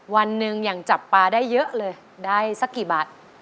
วันหนึ่งอย่างจับปลาได้เยอะเลยได้สักกี่บาท